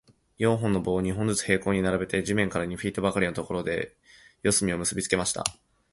四本の棒を、二本ずつ平行に並べて、地面から二フィートばかりのところで、四隅を結びつけました。